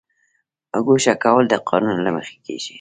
ګوښه کول د قانون له مخې کیږي